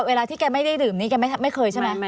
เวลาที่แกไม่ได้ดื่มนี้แกไม่เคยใช่ไหม